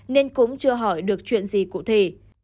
nên cũng chưa hỏi được chuyện gì cụ thể